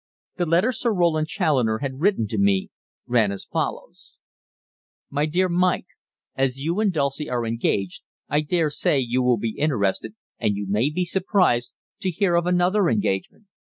The letter Sir Roland Challoner had written to me ran as follows: "My dear Mike, As you and Dulcie are engaged, I dare say you will be interested, and you may be surprised, to hear of another engagement.